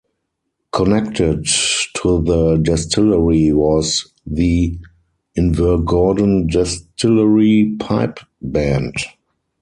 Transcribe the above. Connected to the distillery was the Invergordon Distillery Pipe Band.